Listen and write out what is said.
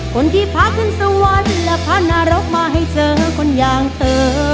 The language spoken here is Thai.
คนที่พาขึ้นสวรรค์และพานรกมาให้เจอคนอย่างเธอ